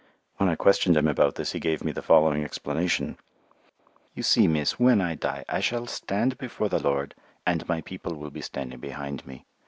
When I questioned him about this he gave me the following explanation: "You see, miss, when I die I shall stand before the Lord and my people will be standing behind me.